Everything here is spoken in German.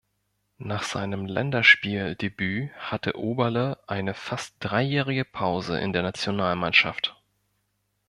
Nach seinem Länderspieldebüt hatte Oberle eine fast dreijährige Pause in der Nationalmannschaft.